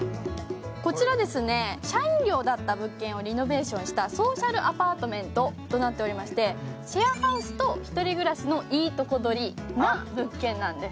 こちら社員寮だった物件をリノベーションしたソーシャルアパートメントとなっておりまして、シェアハウスとひとり暮らしのいいトコ取りの物件なんです。